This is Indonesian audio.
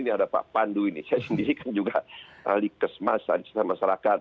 ini ada pak pandu ini saya sendiri kan juga ahli kesemas alias masyarakat